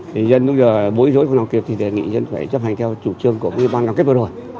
thì dân lúc giờ bối rối không làm kịp thì đề nghị dân phải chấp hành theo chủ trương của ủy ban đoàn kết vừa rồi